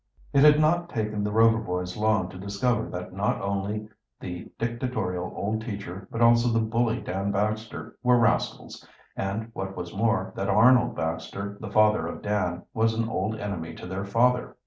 It had not taken the Rover boys long to discover that not only the dictatorial old teacher, but also the bully, Dan Baxter, were rascals, and, what was more, that Arnold Baxter, the father of Dan, was an old enemy to their father.